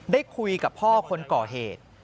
ได้คุยกับพ่อคนก่อเหตุ